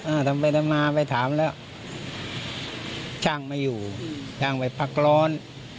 ทำไปทำมาไปถามแล้วช่างไม่อยู่ช่างไปพักร้อน